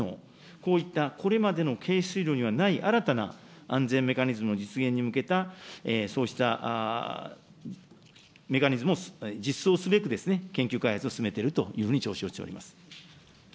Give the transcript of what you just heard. こういったこれまでの軽水炉にはない、新たな安全メカニズムの実現に向けた、そうしたメカニズムを実装すべく、研究開発を進めているというふうに承知をしております。